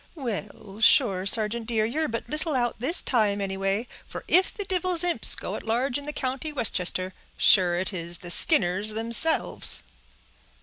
"Well sure, sargeant dear, ye're but little out this time, anyway; for if the divil's imps go at large in the county Westchester, sure it is the Skinners, themselves."